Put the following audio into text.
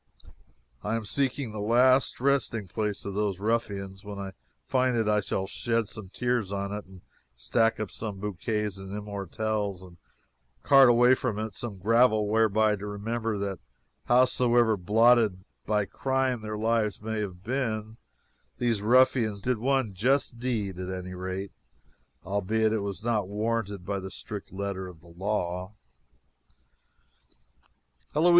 I am seeking the last resting place of those "ruffians." When I find it I shall shed some tears on it, and stack up some bouquets and immortelles, and cart away from it some gravel whereby to remember that howsoever blotted by crime their lives may have been, these ruffians did one just deed, at any rate, albeit it was not warranted by the strict letter of the law.